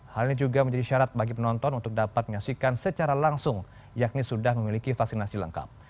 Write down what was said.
hal ini juga menjadi syarat bagi penonton untuk dapat menyaksikan secara langsung yakni sudah memiliki vaksinasi lengkap